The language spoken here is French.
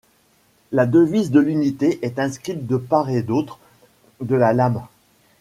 La devise de l'unité est inscrite de part et d'autre de la lame.